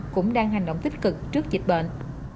cũng đang hành động tích cực trước dịch bệnh